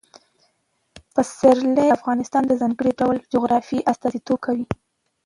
پسرلی د افغانستان د ځانګړي ډول جغرافیه استازیتوب کوي.